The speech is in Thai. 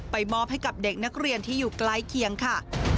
มอบให้กับเด็กนักเรียนที่อยู่ใกล้เคียงค่ะ